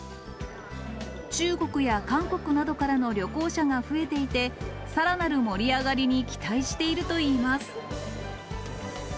中国や韓国などからの旅行者が増えていて、さらなる盛り上がりに期待しているといいます。